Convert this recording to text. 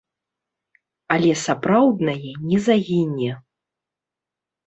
Але сапраўднае не загіне.